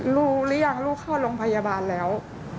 หรือยังลูกเข้าโรงพยาบาลแล้ว